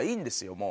もう。